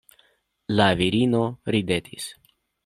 La virino ridetis.